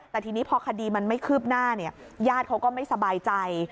แต่ทีนี้พอคดีมันไม่คืบหน้าญาติเขาก็ไม่สบายใจ